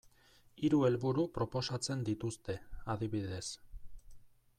Hiru helburu proposatzen dituzte, adibidez.